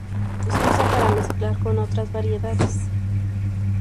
Se usa para mezclar con otras variedades.